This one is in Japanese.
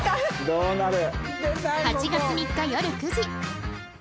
どうなる？